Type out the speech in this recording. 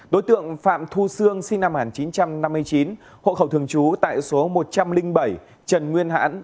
đối tượng phạm thu sương sinh năm một nghìn chín trăm năm mươi chín hộ khẩu thường trú tại số một trăm linh bảy trần nguyên hãn